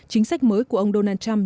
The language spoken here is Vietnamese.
chính sách mới của ông donald trump